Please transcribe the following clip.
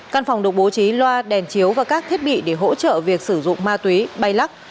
căn phòng được bố trí loa đèn chiếu và các thiết bị để hỗ trợ việc sử dụng ma túy bay lắc